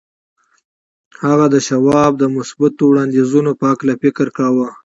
هغه د شواب د مثبتو وړاندیزونو په هکله فکر کاوه